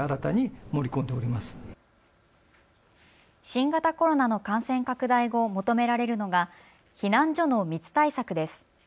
新型コロナの感染拡大後、求められるのが避難所の密対策です。